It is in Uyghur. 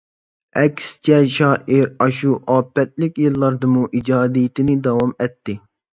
ئەكسىچە، شائىر ئاشۇ ئاپەتلىك يىللاردىمۇ ئىجادىيىتىنى داۋام ئەتتى.